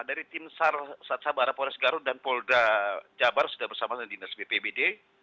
dari tim sarsabara polres garut dan polda jabar sudah bersama dengan dinas bbbd